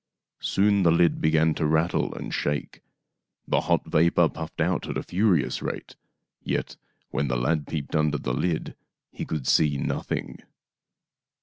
Soon the lid began to rattle and shake. The hot vapor puffed out at a furious rate. Yet when the lad peeped under the lid he could see nothing.